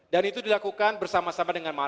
dan itu dilakukan bersama sama dengan